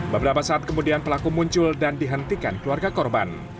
beberapa saat kemudian pelaku muncul dan dihentikan keluarga korban